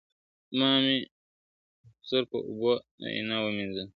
ما مي د خضر په اوبو آیینه ومینځله !.